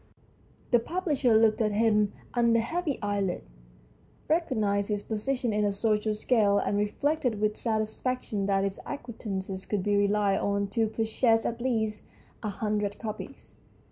The publisher looked at him under heavy eyelids, recognised his position in the social scale, and reflected with satisfaction that his acquaintances could be relied on to purchase at least a hundred copies.